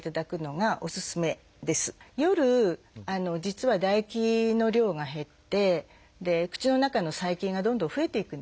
夜実は唾液の量が減って口の中の細菌がどんどん増えていくんですね。